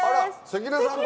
関根さん！